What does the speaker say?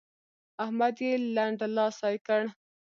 احمد يې لنډلاسی کړ.